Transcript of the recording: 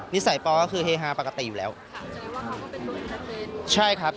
นิสัยปอก็คือเฮฮาปกติอยู่แล้วก็คือเป็นตัวลัดเบน